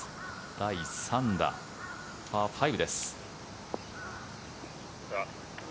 第３打、パー５です。